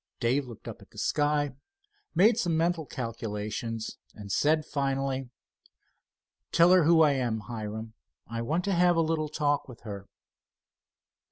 Dave looked up at the sky, made some mental calculations, and said finally: "Tell her who I am, Hiram—I want to have a little talk with her."